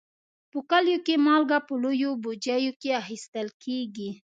په کلیو کې مالګه په لویو بوجیو کې اخیستل کېږي.